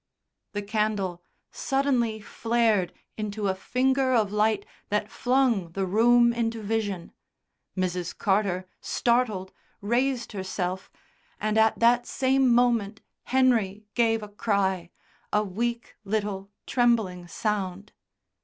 The candle suddenly flared into a finger of light that flung the room into vision. Mrs. Carter, startled, raised herself, and at that same moment Henry gave a cry, a weak little trembling sound.